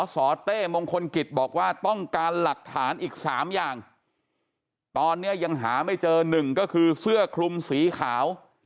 สเต้มงคลกิจบอกว่าต้องการหลักฐานอีก๓อย่างตอนนี้ยังหาไม่เจอหนึ่งก็คือเสื้อคลุมสีขาว